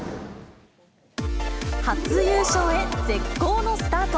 初優勝へ、絶好のスタート。